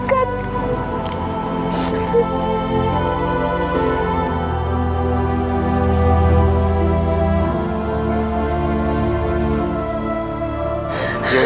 aku dai diutil videonya